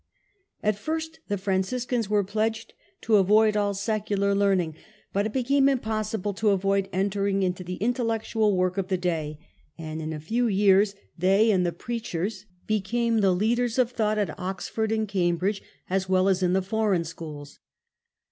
At first the Franciscans were pledged to avoid all secular learning; but it became im possible to avoid entering into the intellectual work of the day, and in a few years they and the Preachers be THE WORK OF THE FRIARS. 79 came the leaders of thought at Oxford and Cambridge as well as in the fore^ schools.